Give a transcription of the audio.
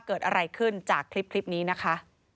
เกิดอะไรขึ้นจากคลิปนี้นะคะ